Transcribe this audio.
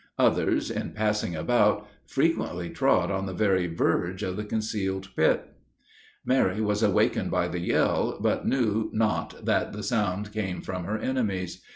Others, in passing about, frequently trod on the very verge of the concealed pit. Mary was awakened by the yell, but knew not that the sound came from her enemies.